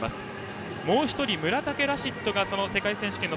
もう１人、村竹ラシッドが世界選手権の